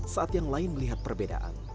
saat yang lain melihat perbedaan